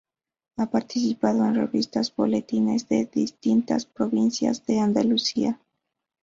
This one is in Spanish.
Ha participado en revistas y boletines de distintas provincias de Andalucía.